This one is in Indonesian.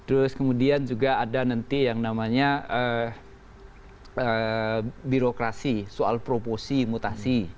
terus kemudian juga ada nanti yang namanya birokrasi soal proposi mutasi